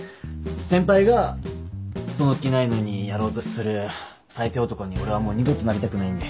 先輩がその気ないのにやろうとする最低男に俺はもう二度となりたくないんで。